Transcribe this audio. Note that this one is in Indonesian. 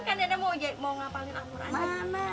kan danda mau ngapain al qurannya